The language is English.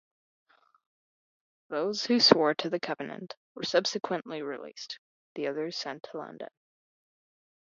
Those who swore to the Covenant were subsequently released, the others sent to London.